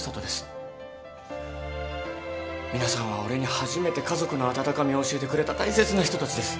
皆さんは俺に初めて家族の温かみを教えてくれた大切な人たちです。